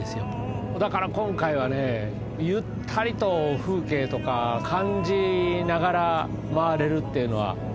だから今回はねゆったりと風景とか感じながら回れるっていうのは。